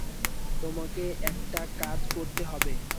তোমাকে একটা কাজ করতে হবে।